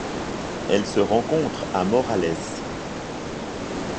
Elle se rencontre à Morales.